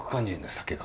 酒が。